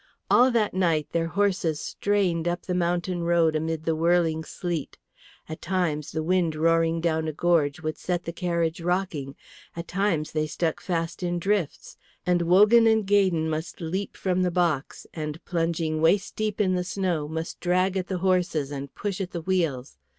All that night their horses strained up the mountain road amid the whirling sleet. At times the wind roaring down a gorge would set the carriage rocking; at times they stuck fast in drifts; and Wogan and Gaydon must leap from the box and plunging waist deep in the snow, must drag at the horses and push at the wheels.